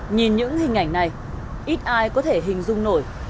nhìn những hình ảnh này ít ai có thể hình dung nổi